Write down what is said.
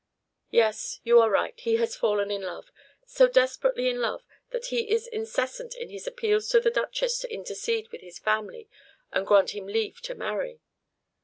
"Yes, you are right; he has fallen in love, so desperately in love that he is incessant in his appeals to the Duchess to intercede with his family and grant him leave to marry."